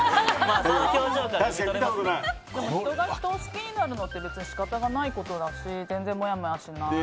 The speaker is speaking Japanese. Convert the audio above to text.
人が人を好きになるのって仕方ないことだし全然もやもやしない。